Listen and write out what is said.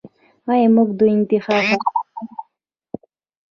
آیا موږ د انتخاب حق نلرو؟